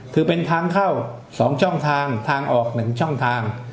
คือเป็นทางเข้า๒ช่องทางทางออก๑ช่องทาง